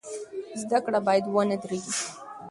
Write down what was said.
زده کړه باید ونه دریږي.